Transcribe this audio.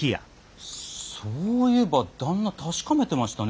そういえば旦那確かめてましたね